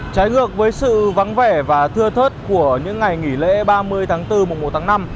trái ngược với sự vắng vẻ và thưa thớt của những ngày nghỉ lễ ba mươi tháng bốn mùa một tháng năm